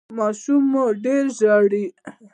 ماشوم مو ډیر ژاړي؟